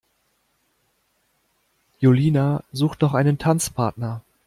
Julina sucht noch einen Tanzpartner.